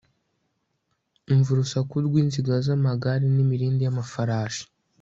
umva urusaku rw'inziga z'amagare n' imirindi y'amafarashi